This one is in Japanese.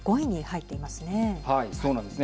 そうなんですね。